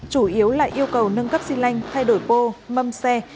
chủ yếu là yêu cầu nâng cấp xi lanh thay đổi pô mâm xe